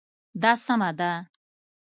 دا سمه ده